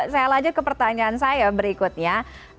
saya lanjut ke pertanyaan saya berikutnya